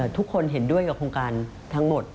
ทุกคนเห็นด้วยกับโครงการทั้งหมด